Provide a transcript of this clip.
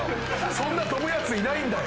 そんなとぶやついないんだよ。